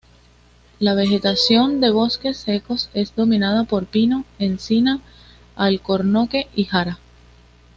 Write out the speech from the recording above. La vegetación de bosques secos es dominada por pino, encina, alcornoque y jara.